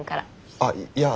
あっいや。